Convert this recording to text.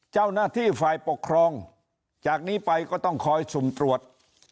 เจ้าหน้าที่ฝ่ายปกครองจากนี้ไปก็ต้องคอยสุ่มตรวจ